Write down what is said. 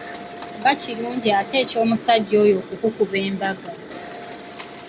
Nga kirungi ate eky’omusajja oyo okukukuba embaga!